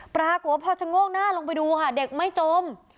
ปรากฏว่าพอชะโงกหน้าลงไปดูค่ะเด็กไม่จม